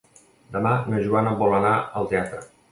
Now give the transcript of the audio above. Demà na Joana vol anar al teatre.